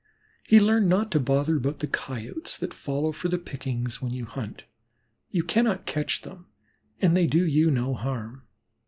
He learned not to bother about the Coyotes that follow for the pickings when you hunt; you cannot catch them and they do you no harm.